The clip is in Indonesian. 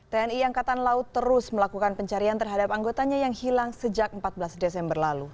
tni angkatan laut terus melakukan pencarian terhadap anggotanya yang hilang sejak empat belas desember lalu